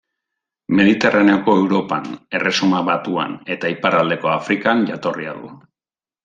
Mediterraneoko Europan, Erresuma Batuan eta iparraldeko Afrikan jatorria du.